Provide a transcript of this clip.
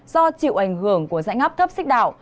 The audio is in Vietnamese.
do chịu ảnh hưởng của dãy ngắp thấp xích đạo